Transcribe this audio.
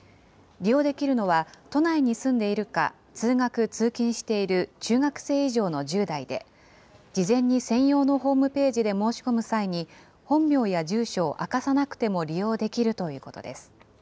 利用できるのは、都内に住んでいるか、通学・通勤している中学生以上の１０代で、事前に専用のホームページで申し込む際に、本名や住所を明かさなくても利用できるということです。